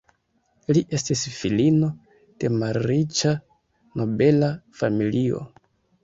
Li estis filino de malriĉa nobela familio.